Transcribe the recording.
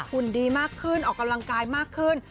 หุ่นดีมากขึ้นออกกำลังกายมากขึ้น